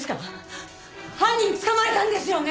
犯人捕まえたんですよね！？